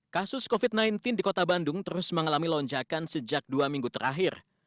kasus covid sembilan belas di kota bandung terus mengalami lonjakan sejak dua minggu terakhir